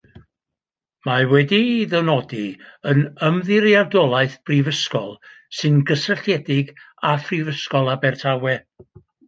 Mae wedi ei ddynodi yn ymddiriedolaeth brifysgol sy'n gysylltiedig â Phrifysgol Abertawe.